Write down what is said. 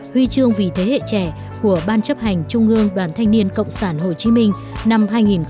huy chương vì thế hệ trẻ của ban chấp hành trung ương đoàn thanh niên cộng sản hồ chí minh năm hai nghìn một mươi tám